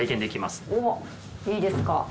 おっいいですか？